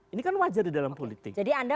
ini kan wajar di dalam politik